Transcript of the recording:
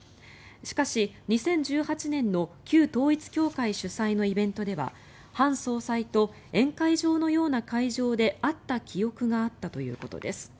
しかし、２０１８年の旧統一教会主催のイベントではハン総裁と宴会場のような会場で会った記憶があったということです。